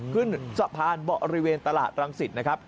ขึ้นสะพานเบาะบริเวณตลาดรังสิตนะครับ